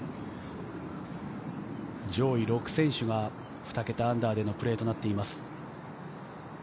上位６選手が２桁アンダーでのプレーとなっています。